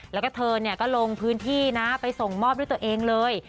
แล้วก็เธอก็ลงพื้นที่นะไปส่งมอบด้วยตัวเองเลย